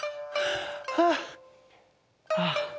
あっああ。